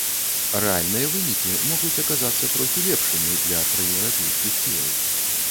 Рэальныя вынікі могуць аказацца трохі лепшымі для праеўрапейскіх сілаў.